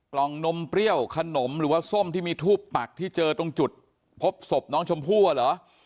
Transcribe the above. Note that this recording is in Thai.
นมเปรี้ยวขนมหรือว่าส้มที่มีทูบปักที่เจอตรงจุดพบศพน้องชมพู่อ่ะเหรอ